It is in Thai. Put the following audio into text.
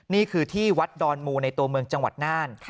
นี่คือที่วัดดอนมูในตัวเมืองจังหวัดน่าน